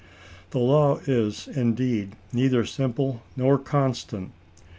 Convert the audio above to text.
The law is, indeed, neither simple nor constant.